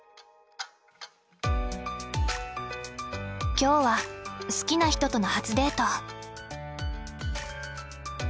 今日は好きな人との初デート。